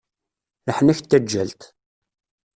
Leḥnak n taǧǧalt!